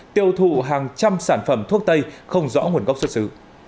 tiêu thụ hàng trăm sản phẩm thuốc tây không rõ nguồn gốc xuất xứ